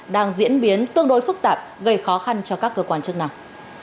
đang diễn biến tương đối phức tạp gây khó khăn cho các cơ quan chức năng